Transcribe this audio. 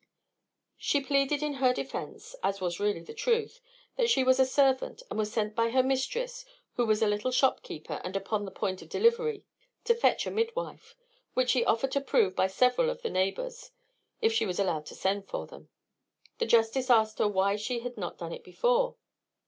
She pleaded in her defence (as was really the truth) that she was a servant, and was sent by her mistress, who was a little shopkeeper and upon the point of delivery, to fetch a midwife; which she offered to prove by several of the neighbours, if she was allowed to send for them. The justice asked her why she had not done it before?